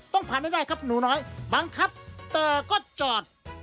ต้องผ่านให้ได้ครับหนูน้อยบังคับแต่ก็จอด